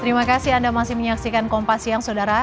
terima kasih anda masih menyaksikan kompas siang saudara